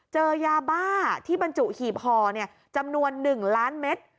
เจอยาบ้าที่บรรจุหีบห่อจำนวน๑ล้านเมตร